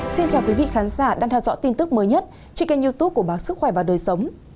xin chào quý vị khán giả đang theo dõi tin tức mới nhất trên kênh youtube của báo sức khỏe và đời sống